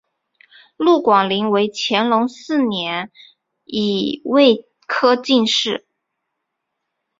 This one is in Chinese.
陆广霖为乾隆四年己未科进士。